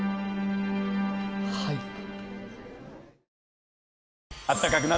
はい。